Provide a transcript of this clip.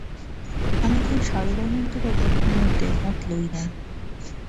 আমি এখন সারদানন্দ বা ব্রহ্মানন্দের মত লই নাই।